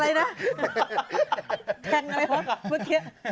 นี่ซอยอะไรนะแทงอะไรเพราะเมื่อกี้